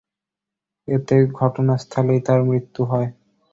এতে ঘটনাস্থলেই তার মৃত্যু হয়।